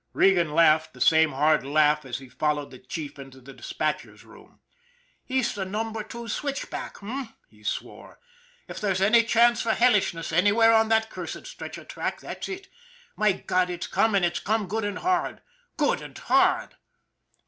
Regan laughed, the same hard laugh, as he followed the chief into the dispatcher's room. " East of number two switch back, eh ?" he swore. " If there's any choice for hellishness anywhere on that cursed stretch of track, that's it. My God, it's come, and it's come good and hard good and hard."